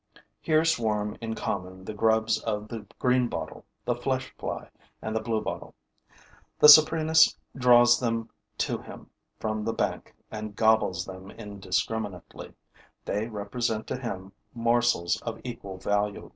Here swarm in common the grubs of the greenbottle, the flesh fly and the bluebottle. The Saprinus draws them to him from the bank and gobbles them indiscriminately. They represent to him morsels of equal value.